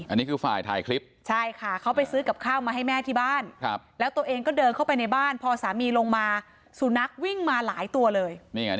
อันนี้คือฝ่ายถ่ายคลิปใช่ค่ะเขาไปซื้อกับข้าวมาให้แม่ที่บ้านแล้วตัวเองก็เดินเข้าไปในบ้านพอสามีลงมาสุนัขวิ่งมาหลายตัวเลย